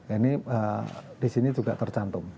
ini di sini juga tercantum